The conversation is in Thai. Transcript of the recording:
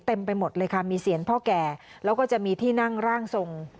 ไปหมดเลยค่ะมีเสียงพ่อแก่แล้วก็จะมีที่นั่งร่างทรง